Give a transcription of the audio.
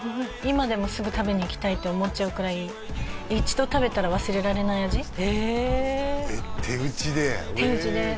今でもすぐ食べに行きたいって思っちゃうくらい一度食べたら忘れられない味えっえっ手打ちで？